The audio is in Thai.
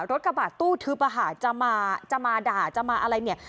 กระบาดตู้ทึบอะค่ะจะมาจะมาด่าจะมาอะไรเนี่ย